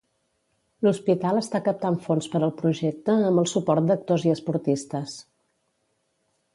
L'hospital està captant fons per al projecte amb el suport d'actors i esportistes.